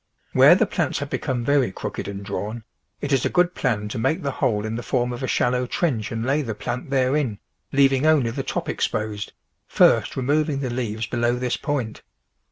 Where the plants have become very crooked and drawn, it is a good plan to make the hole in the form of a shallow trench and lay the plant therein, leaving only the top exposed, first remov ing the leaves below this point.